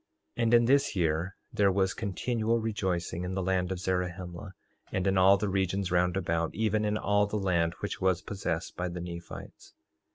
3:31 And in this year there was continual rejoicing in the land of Zarahemla, and in all the regions round about, even in all the land which was possessed by the Nephites.